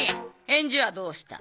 返事はどうした？